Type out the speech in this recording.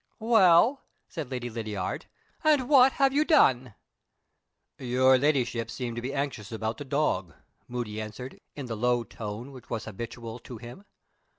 "Well," said Lady Lydiard, "and what have you done?" "Your Ladyship seemed to be anxious about the dog," Moody answered, in the low tone which was habitual to him.